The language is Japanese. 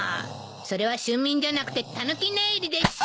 それは春眠じゃなくてたぬき寝入りでしょ！